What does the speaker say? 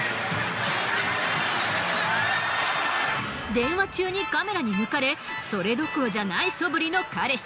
電話中にカメラに抜かれそれどころじゃない素振りの彼氏。